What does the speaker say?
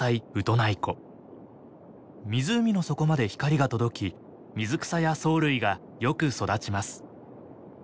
湖の底まで光が届き水草や藻類がよく育ちます。